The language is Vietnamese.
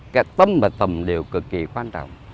cái tâm và tầm đều cực kỳ quan trọng